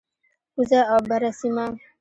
کوزه او بره سیمه،